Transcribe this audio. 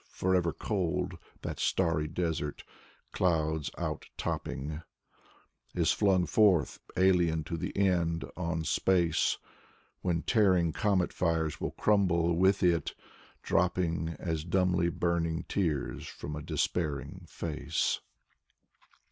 Forever cold, that starry desert, clouds out topping, Is flung forth, alien to the end, on space, When tearing comet fires will crumble with it, dropping As dumbly burning tears from a despairing face.